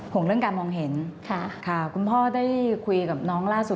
งเรื่องการมองเห็นค่ะค่ะคุณพ่อได้คุยกับน้องล่าสุด